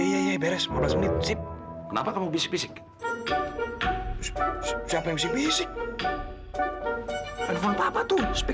hai hai beres lima belas membersip kenapa kamu bisik bisik yang pemisah bisik